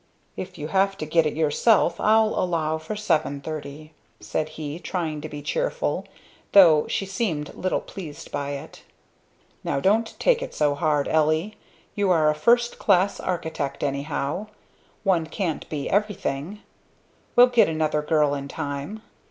"If you have to get it yourself I'll allow for seven thirty," said he, trying to be cheerful, though she seemed little pleased by it. "Now don't take it so hard, Ellie. You are a first class architect, anyhow one can't be everything. We'll get another girl in time.